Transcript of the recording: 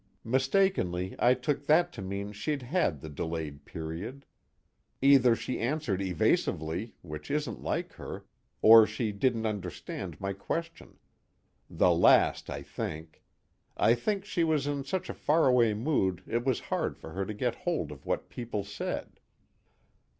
Mistakenly, I took that to mean she'd had the delayed period. Either she answered evasively, which isn't like her, or she didn't understand my question. The last, I think. I think she was in such a faraway mood it was hard for her to get hold of what people said."